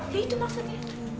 ya itu maksudnya